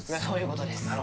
そういう事です。